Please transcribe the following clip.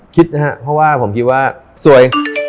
คิดนะครับเพราะว่าผมคิดว่าสวย